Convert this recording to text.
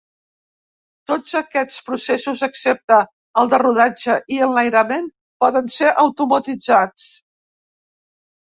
Tots aquests processos excepte el de rodatge i enlairament poden ser automatitzats.